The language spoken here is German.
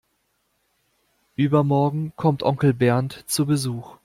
Übermorgen kommt Onkel Bernd zu Besuch.